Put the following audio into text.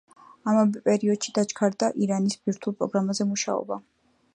ამავე პერიოდში დაჩქარდა ირანის ბირთვულ პროგრამაზე მუშაობა.